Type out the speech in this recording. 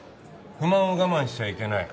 不満を我慢しちゃいけない。